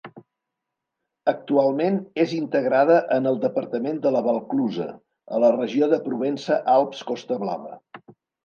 Actualment és integrada en el departament de la Valclusa, a la regió de Provença-Alps-Costa Blava.